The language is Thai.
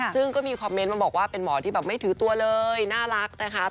ซึ่งก็มีคอมเมนต์มาบอกว่าเป็นหมอที่แบบไม่ถือตัวเลยน่ารักนะคะ